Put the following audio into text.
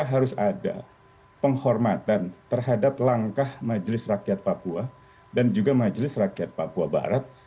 harus ada penghormatan terhadap langkah majelis rakyat papua dan juga majelis rakyat papua barat